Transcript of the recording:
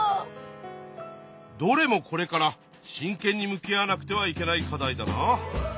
どれもこれから真けんに向き合わなくてはいけない課題だな。